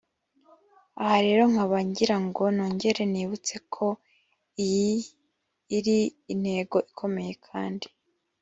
aha rero nkaba ngira ngo nogere nibutse ko iyi iri intego ikomeye kandi